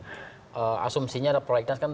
jadi asumsinya ada proyeknya kan